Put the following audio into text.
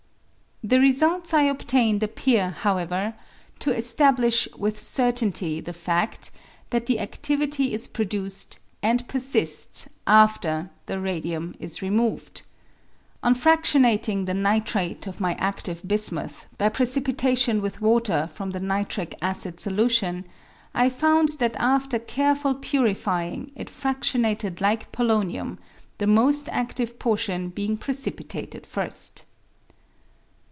The results I obtained appear, however, to establish with certainty the fad that the adivity is produced and persists after the radium is removed. On fradionating the nitrate of my adive bismuth by precipitation with water from the nitric acid solution, I found that after careful purifying it fradionated like polonium, the most adive portion being precipitated first.